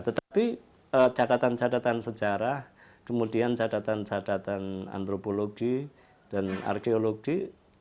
tetapi catatan catatan sejarah kemudian catatan catatan antropologi dan arkeologi